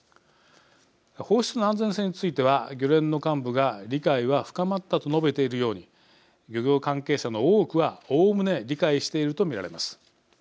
放出の安全性については漁連の幹部が「理解は深まった」と述べているように漁業関係者の多くは、おおむね理解していると見られます。